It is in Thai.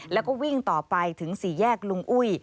แล้วก็วิ่งต่อไปถึงสี่แยกลุงอุ้ย